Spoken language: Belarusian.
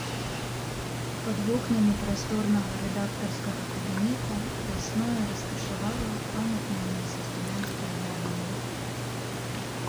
Пад вокнамі прасторнага рэдактарскага кабінета вясною раскашавала памятная мне са студэнцтва яблыня.